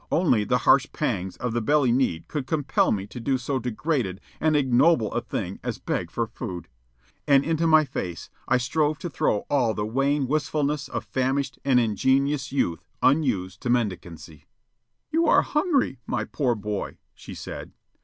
Only the harsh pangs of the belly need could compel me to do so degraded and ignoble a thing as beg for food. And into my face I strove to throw all the wan wistfulness of famished and ingenuous youth unused to mendicancy. "You are hungry, my poor boy," she said.